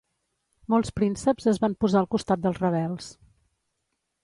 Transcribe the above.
Molts prínceps es van posar al costat dels rebels.